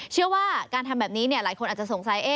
เชื่อว่าการทำแบบนี้หลายคนอาจจะสงสัย